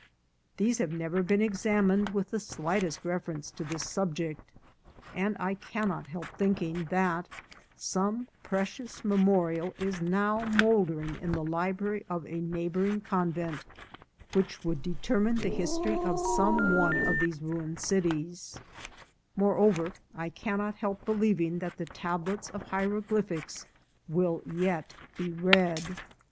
These have never been examined with the slightest reference to this subject ; and I cannot help thinking that some precious memorial is now mouldering in the library of a neigh bouring convent, which would determine the history of some one of these ruined cities ; moreover, I cannot help believing that the tablets of hieroglyphics will yet be read.